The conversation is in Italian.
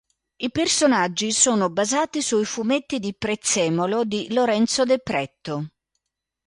I personaggi sono basati sui fumetti di Prezzemolo di Lorenzo De Pretto.